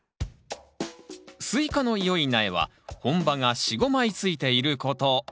スイカの良い苗は本葉が４５枚ついていること。